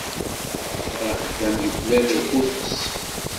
Axaṭer axeddam yuklal lqut-is.